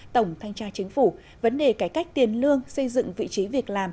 tổng thanh tra chính phủ vấn đề cải cách tiền lương xây dựng vị trí việc làm